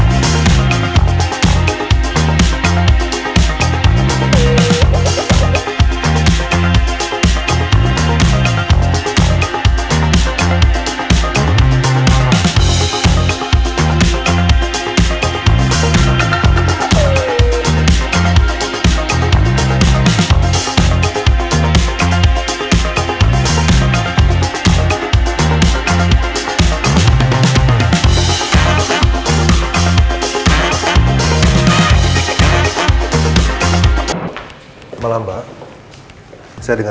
untuk temukan anak mama yang